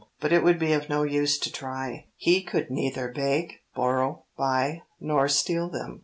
But it would be of no use to try. He could neither beg, borrow, buy nor steal them.